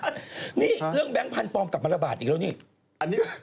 เรื่องแบงค์พันธุ์ปลอมกลับมาระบาดอีกแล้วนี่